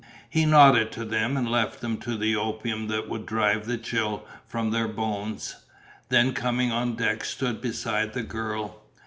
He nodded to them and left them to the opium that would drive the chill from their bones, then coming on deck stood beside the girl.